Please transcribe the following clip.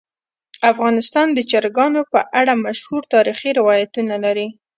افغانستان د چرګان په اړه مشهور تاریخی روایتونه لري.